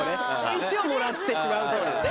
一応もらってしまうって事ですね。